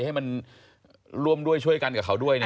ให้มันร่วมด้วยช่วยกันกับเขาด้วยนะ